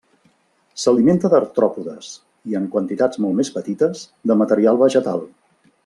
S'alimenta d'artròpodes i, en quantitats molt més petites, de material vegetal.